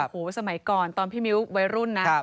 โอ้โหสมัยก่อนตอนพี่มิ้ววัยรุ่นนะ